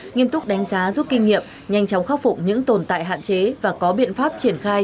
nghiêm túc đánh giá rút kinh nghiệm nhanh chóng khắc phục những tồn tại hạn chế và có biện pháp triển khai